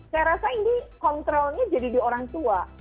saya rasa ini kontrolnya jadi di orang tua